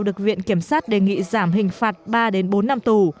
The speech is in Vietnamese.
được viện kiểm sát đề nghị giảm hình phạt ba đến bốn năm tù